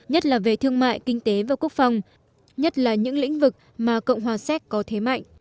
nhất là về thương mại kinh tế và quốc phòng nhất là những lĩnh vực mà cộng hòa séc có thế mạnh